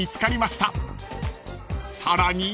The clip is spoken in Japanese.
［さらに］